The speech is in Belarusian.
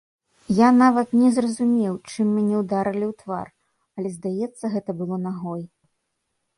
Я нават не зразумеў чым мяне ударылі ў твар, але здаецца гэта было нагой.